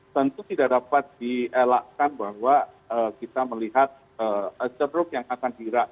tentu tidak dapat dielakkan bahwa kita melihat ceruk yang akan dirak